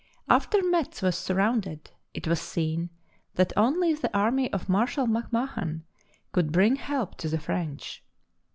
After Metz was surrounded, it was seen that only the army of Marshal MacMahon could bring help to the French.